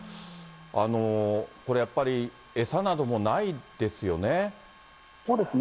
これやっぱり、餌などもないですよね。